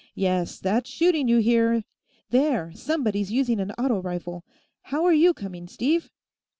Yes, that's shooting you hear; there, somebody's using an auto rifle! How are you coming, Steve?"